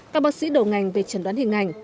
các bác sĩ đầu ngành về trần đoán hình ảnh